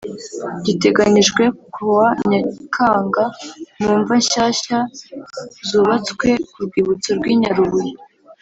giteganyijwe kuwa Nyakanga mu mva nshyashya zubatswe ku rwibutso rw i Nyarubuye